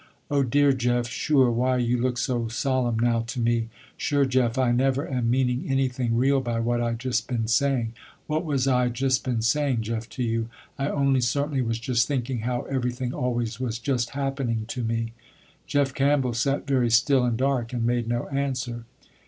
"Oh dear, Jeff, sure, why you look so solemn now to me. Sure Jeff I never am meaning anything real by what I just been saying. What was I just been saying Jeff to you. I only certainly was just thinking how everything always was just happening to me." Jeff Campbell sat very still and dark, and made no answer.